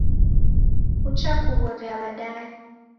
Uchakughoria badaye